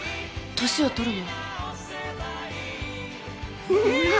年を取るの。